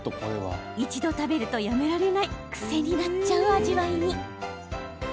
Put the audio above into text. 一度食べるとやめられない癖になっちゃう味わいに！